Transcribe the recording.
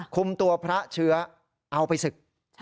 คุมตัวพระเชื้อเอาไปศึก